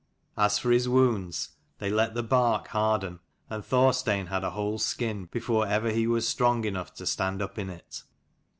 As for his wounds they let the bark harden, and Thorstein had a whole skin before ever he was strong enough to stand up in it.